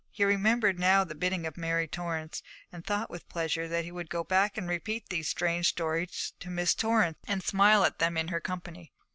He remembered now the bidding of Mary Torrance, and thought with pleasure that he would go back and repeat these strange stories to Miss Torrance, and smile at them in her company.